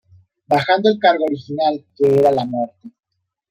Bajando el cargo original, que era la muerte".